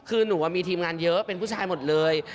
คือหนูมีทีมงานเยอะเป็นผู้ชายหมดเลย